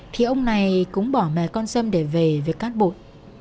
thì ông này cũng bỏ mẹ con sâm để về với cát bụi